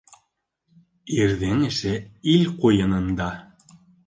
Ирҙең эше ил ҡуйынында.